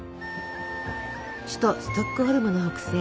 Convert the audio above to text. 首都ストックホルムの北西